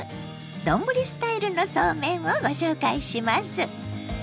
丼スタイルのそうめんをご紹介します。